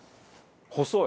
細い！